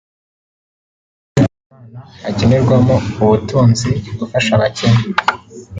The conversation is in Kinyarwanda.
Aha rero bikaba bishoboka ko watunga kandi ukubahisha Imana cyane ko no mugukorera Imana hakenerwamo ubutunzi (gufasha abakene